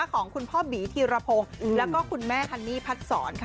ของคุณพ่อบีธีรพงศ์แล้วก็คุณแม่ฮันนี่พัดสอนค่ะ